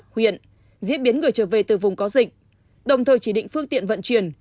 huyện diễn biến người trở về từ vùng có dịch đồng thời chỉ định phương tiện vận chuyển